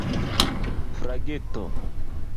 flageto